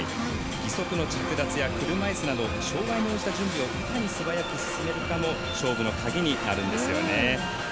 義足の着脱や車いすなど障がいに応じた準備をいかに素早くするかも勝負の鍵になるんですよね。